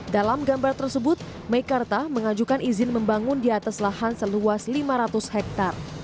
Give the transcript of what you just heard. dalam gambar tersebut mekarta mengajukan izin membangun di atas lahan seluas lima ratus hektare